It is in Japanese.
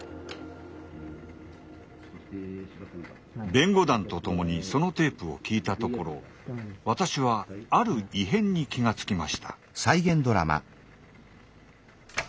弁護団と共にそのテープを聴いたところ私はある異変に気が付きました。